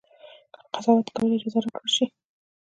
که قضاوت کولو اجازه راکړه شي.